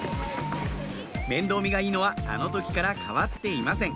面倒見がいいのはあの時から変わっていません